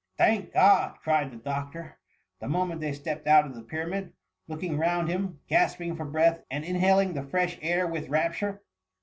Thank God T cried the doctor, the mo ment they stepped out of the Pyramid ; looking round him, gasping for breath, and inhaling the fresh air with rapture.